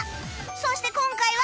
そして今回は